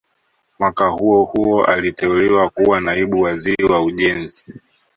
Mwaka huo huo aliteuliwa kuwa Naibu Waziri wa Ujenzi